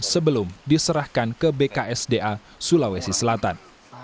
sebelum diserahkan ke bksda sulawesi selatan